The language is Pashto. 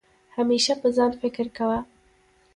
همېشه په ځان فکر کوه